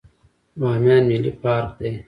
بامیان ملي پارک دی